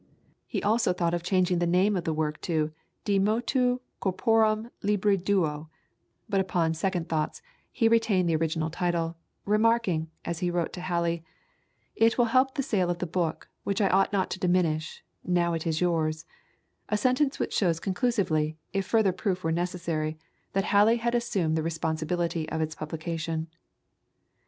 He also thought of changing the name of the work to De Motu Corporum Libri Duo, but upon second thoughts, he retained the original title, remarking, as he wrote to Halley, "It will help the sale of the book, which I ought not to diminish, now it is yours," a sentence which shows conclusively, if further proof were necessary, that Halley had assumed the responsibility of its publication.